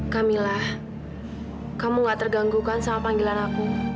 kamila kamu nggak terganggu kan sama panggilan aku